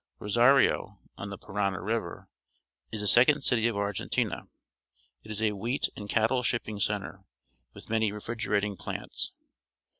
Rosario, on the Parana River, is the second city of Argentina. It is a wheat and cattle shipping centre, with many refrigerating plants.